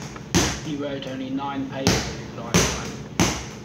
He wrote only nine papers in his lifetime.